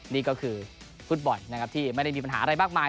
นี่ก็คือฟุตบอลนะครับที่ไม่ได้มีปัญหาอะไรมากมาย